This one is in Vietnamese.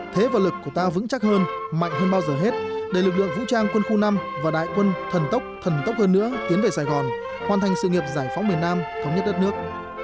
thế và lực của ta vững chắc hơn mạnh hơn bao giờ hết để lực lượng vũ trang quân khu năm và đại quân thần tốc thần tốc hơn nữa tiến về sài gòn hoàn thành sự nghiệp giải phóng miền nam thống nhất đất nước